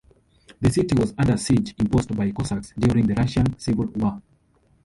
The city was under siege imposed by Cossaks during the Russian Civil War.